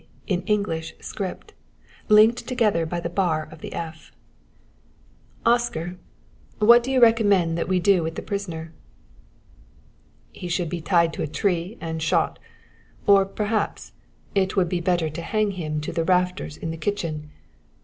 in English script, linked together by the bar of the F. "Oscar, what do you recommend that we do with the prisoner?" "He should be tied to a tree and shot; or, perhaps, it would be better to hang him to the rafters in the kitchen.